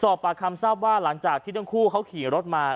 สอบปากคำทราบว่าหลังจากที่ทั้งคู่เขาขี่รถมา